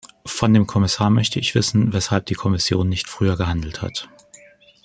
Von dem Kommissar möchte ich wissen, weshalb die Kommission nicht früher gehandelt hat.